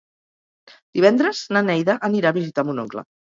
Divendres na Neida anirà a visitar mon oncle.